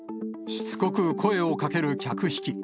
しつこく声をかける客引き。